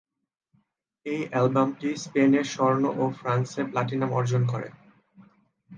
এই অ্যালবামটি স্পেনে স্বর্ণ এবং ফ্রান্সে প্লাটিনাম অর্জন করে।